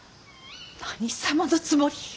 何様のつもり。